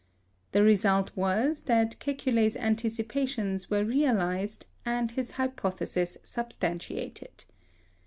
The result was that Kekule's anticipations were realized and his hypothesis substantiated.